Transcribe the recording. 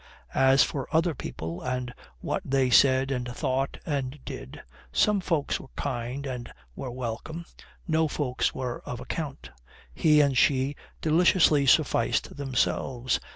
As for other people, and what they said and thought and did, some folks were kind and were welcome, no folks were of account. He and she deliciously sufficed themselves.